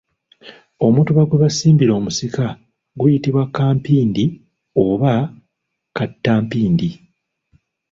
Omutuba gwe basimbira omusika guyitibwa kampindi oba kattampindi.